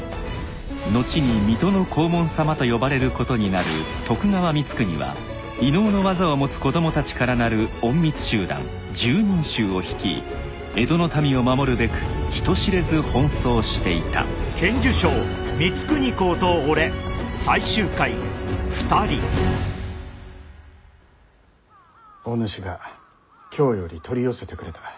後に水戸の黄門様と呼ばれることになる徳川光圀は異能の技を持つ子供たちからなる隠密集団拾人衆を率い江戸の民を守るべく人知れず奔走していたお主が京より取り寄せてくれた。